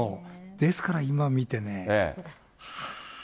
ですから、今見てね、ああ。